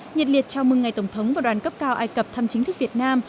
nhật liệt chào mừng ngày tổng thống và đoàn cấp cao ai cập thăm chính thức việt nam